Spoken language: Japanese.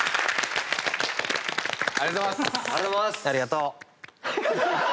ありがとうございます。